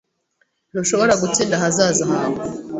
Ntushobora gutsinda ahazaza hawe